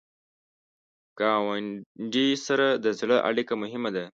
ګاونډي سره د زړه اړیکه مهمه ده